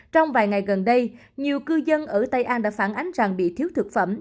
trong vài ngày gần đây nhiều cư dân ở tây an đã phản ánh rằng bị thiếu thực phẩm